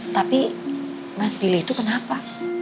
tapi mas pilih itu kenapa